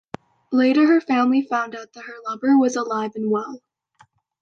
Later, her family found out that her lover was alive and well.